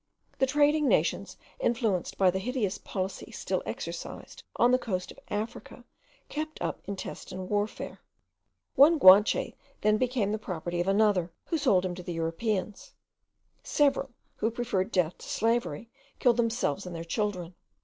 The trading nations, influenced by the hideous policy still exercised on the coast of Africa, kept up intestine warfare. One Guanche then became the property of another, who sold him to the Europeans; several, who preferred death to slavery, killed themselves and their children.